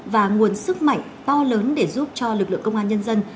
và nguồn sức mạnh to lớn để giúp cho lực lượng công an nhân dân